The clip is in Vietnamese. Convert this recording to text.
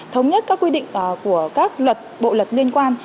thống nhất các quy định của các luật bộ luật liên quan